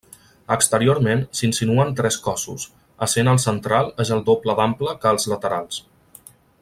Exteriorment s'insinuen tres cossos, essent el central és el doble d'ample que els laterals.